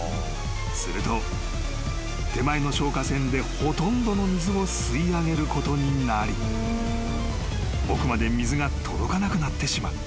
［すると手前の消火栓でほとんどの水を吸い上げることになり奥まで水が届かなくなってしまう］